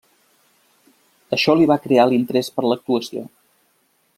Això li va crear l'interès per l'actuació.